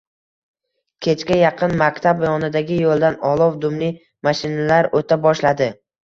Kechga yaqin maktab yonidagi yoʻldan olov dumli mashinalar oʻta boshladi